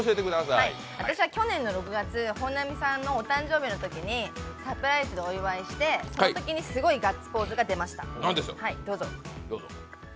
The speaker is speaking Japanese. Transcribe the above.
私は去年の６月、本並さんのお誕生日のときにサプライズでお祝いして、そのときにすごいガッツポーズが出ました。